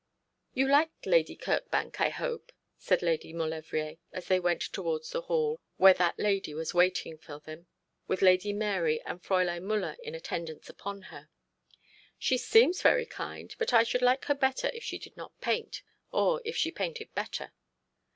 'You like Lady Kirkbank, I hope?' said Lady Maulevrier, as they went towards the hall, where that lady was waiting for them, with Lady Mary and Fräulein Müller in attendance upon her. 'She seems very kind, but I should like her better if she did not paint or if she painted better.'